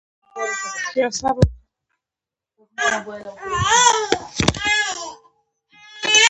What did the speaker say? راسره همغږى او هم فکره اوسي.